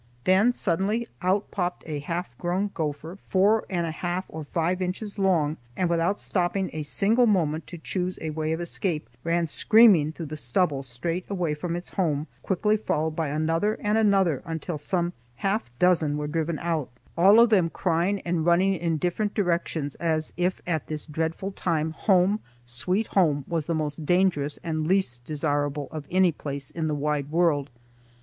Then suddenly out popped a half grown gopher, four and a half or five inches long, and, without stopping a single moment to choose a way of escape, ran screaming through the stubble straight away from its home, quickly followed by another and another, until some half dozen were driven out, all of them crying and running in different directions as if at this dreadful time home, sweet home, was the most dangerous and least desirable of any place in the wide world.